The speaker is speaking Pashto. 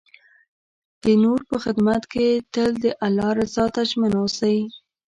د نور په خدمت کې تل د الله رضا ته ژمن اوسئ.